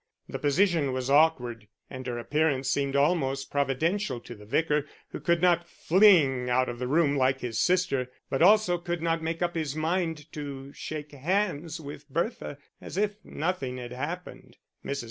The position was awkward, and her appearance seemed almost providential to the Vicar, who could not fling out of the room like his sister, but also could not make up his mind to shake hands with Bertha, as if nothing had happened. Mrs.